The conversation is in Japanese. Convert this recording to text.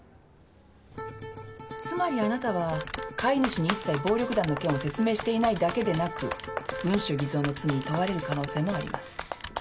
つまりあなたは買い主に一切暴力団の件を説明していないだけでなく文書偽造の罪に問われる可能性もあります。